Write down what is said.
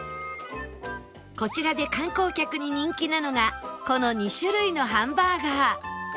こちらで観光客に人気なのがこの２種類のハンバーガー